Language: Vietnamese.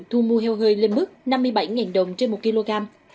thu mua heo hơi lên mức năm mươi bảy đồng trên một kg